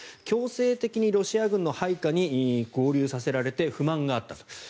強制的にロシア軍配下に軍を合流させられて不満があったと。